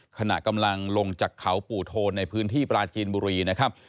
ขณะกำลังลงจากเขาปู่โทนในพื้นที่ปราจีนบุรีนะครับ